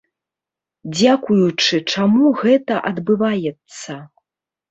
Дзякуючы чаму гэта адбываецца?